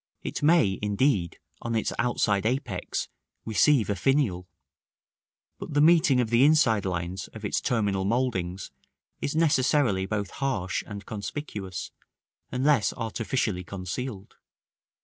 It may, indeed, on its outside apex, receive a finial; but the meeting of the inside lines of its terminal mouldings is necessarily both harsh and conspicuous, unless artificially concealed.